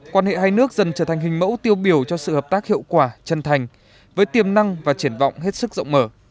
quan hệ hai nước dần trở thành hình mẫu tiêu biểu cho sự hợp tác hiệu quả chân thành với tiềm năng và triển vọng hết sức rộng mở